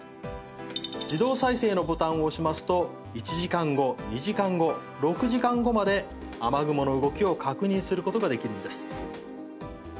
自動再生のボタンを押しますと１時間後、２時間後６時間後まで、雨雲の動きを確認することができるんです。